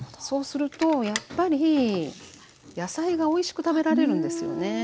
そうするとやっぱり野菜がおいしく食べられるんですよね。